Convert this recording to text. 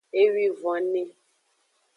Ewivonve.